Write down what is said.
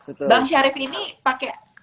bang syarif ini pakai